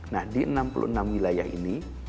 nah di enam puluh enam wilayah ini